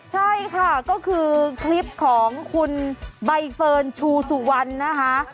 ใช่ค่ะก็คือคลิปของคุณใบเฟิร์นชูสุวรรณนะคะ